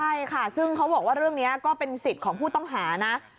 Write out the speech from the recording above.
ใช่ค่ะซึ่งเขาบอกว่าเรื่องนี้ก็เป็นสิทธิ์ของผู้ต้องหานะ